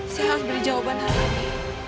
saya harus beri jawaban hal ini